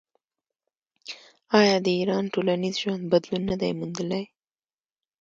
آیا د ایران ټولنیز ژوند بدلون نه دی موندلی؟